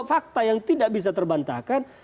fakta yang tidak bisa terbantahkan